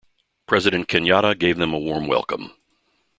President Kenyatta gave them a warm welcome.